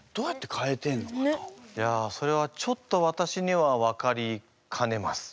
いやそれはちょっとわたしには分かりかねます。